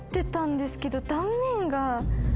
断面が。